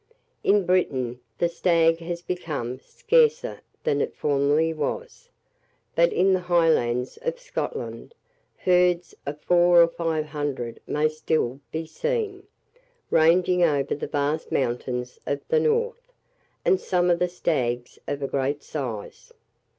In Britain, the stag has become scarcer than it formerly was; but, in the Highlands of Scotland, herds of four or five hundred may still be seen, ranging over the vast mountains of the north; and some of the stags of a great size.